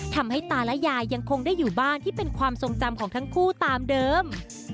ทำให้ตาและยายยังคงได้อยู่บ้านที่เป็นความทรงจำของทั้งคู่ตามเดิม